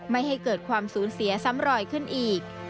ไม่ให้เกิดความสูญเสียซ้ำรอยขึ้นอีก